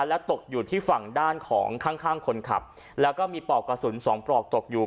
และตกอยู่ที่ฝั่งด้านของข้างข้างคนขับแล้วก็มีปลอกกระสุนสองปลอกตกอยู่